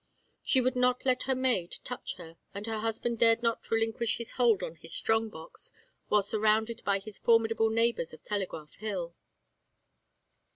She would not let her maid touch her, and her husband dared not relinquish his hold on his strong box while surrounded by his formidable neighbors of Telegraph Hill.